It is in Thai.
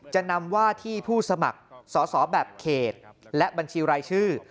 จะนำว่าที่ผู้สมัครสอสอแบบเขตและบัญชีรายชื่อ